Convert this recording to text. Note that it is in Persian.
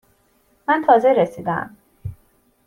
من تازه رسیده ام.